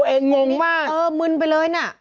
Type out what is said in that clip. เออมึนไปเลยนะ